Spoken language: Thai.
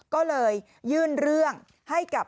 ก็เลยยื่นเรื่องให้กับ